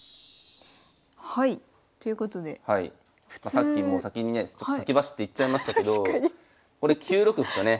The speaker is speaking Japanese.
さっきもう先にね先走って言っちゃいましたけどこれ９六歩とね。